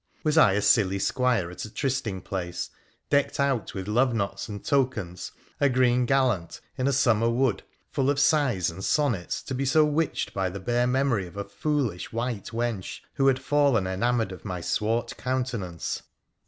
Was I a silly squire at" a trysting place, decked out with love knots and tokens, a green gallant in a summer wood, full of sighg and sonnets, to be so witched by the bare memory of a foolish white wench who had fallen enamoured of my swart counte nance